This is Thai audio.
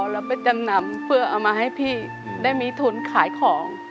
เราไปจำนำเพื่อเอามาให้พี่ได้มีทุนขายของ